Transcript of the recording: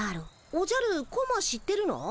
おじゃるコマ知ってるの？